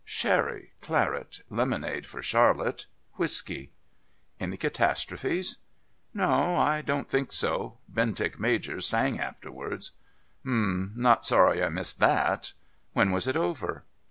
"Sherry, claret, lemonade for Charlotte, whisky." "Any catastrophes?" "No, I don't think so. Bentinck Major sang afterwards." "Hum not sorry I missed that. When was it over?"